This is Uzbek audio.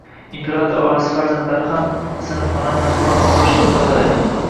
Imperator oilasi farzandlari ham sinfxonani majburan farrosh kabi tozalaydi